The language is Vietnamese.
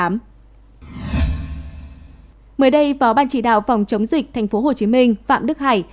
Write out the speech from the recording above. mới đây vào ban chỉ đạo phòng chống dịch tp hcm phạm đức hải